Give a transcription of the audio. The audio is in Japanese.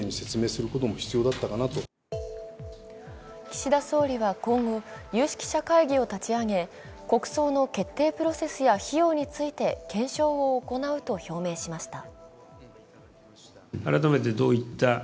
岸田総理は今後、有識者会議を立ち上げ国葬の決定プロセスや費用について検証を行うと表明しました。